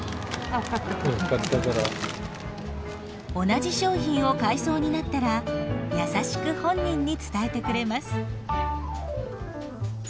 同じ商品を買いそうになったら優しく本人に伝えてくれます。